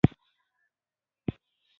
زېرمې ژغورئ.